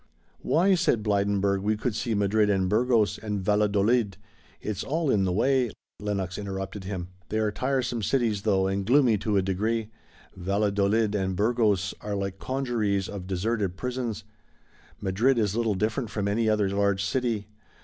"Why," said Blydenburg, "we could see Madrid and Burgos and Valladolid. It's all in the way." Lenox interrupted him. "They are tiresome cities though, and gloomy to a degree. Valladolid and Burgos are like congeries of deserted prisons, Madrid is little different from any other large city.